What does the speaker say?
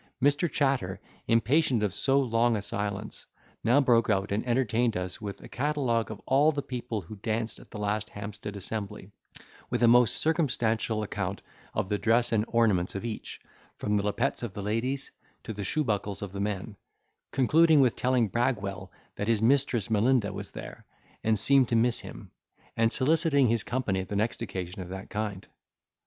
Mr. Chatter, impatient of so long a silence, now broke out and entertained us with a catalogue of all the people who danced at the last Hampstead assembly, with a most circumstantial account of the dress and ornaments of each, from the lappets of the ladies to the shoe buckles of the men; concluding with telling Bragwell, that his mistress Melinda was there, and seemed to miss him: and soliciting his company at the next occasion of that kind.